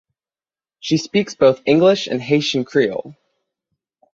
She speaks both English and Haitian Creole.